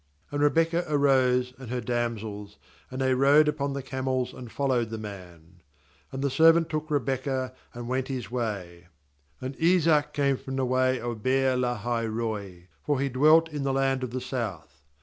61And Rebekah arose, and her damsels, and they rode upon the camels, and fol lowed the man. And the servant took Rebekah, and went his way. 62And Isaac came from the way of Beer lahai roi; for he dwelt in the land of the South.